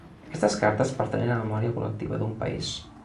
Aquestes cartes pertanyen a la memòria col·lectiva d’un país.